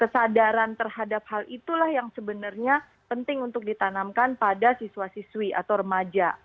kesadaran terhadap hal itulah yang sebenarnya penting untuk ditanamkan pada siswa siswi atau remaja